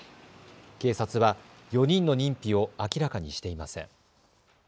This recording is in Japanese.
警察は４人の認否を明らかにしていません。